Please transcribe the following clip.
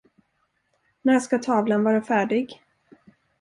När skall tavlan vara färdig?